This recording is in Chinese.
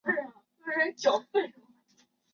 其中的新阿姆斯特丹成为今日纽约市的雏形。